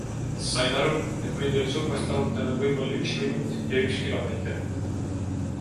Sain aru, et mind oli surmast lahutanud võib-olla üks minut ja üks kilomeeter.